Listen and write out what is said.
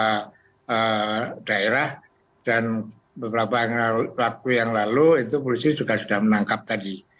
beberapa daerah dan beberapa waktu yang lalu itu polisi juga sudah menangkap tadi